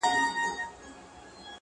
خو د نوکانو په سرونو کي به ځان ووينم-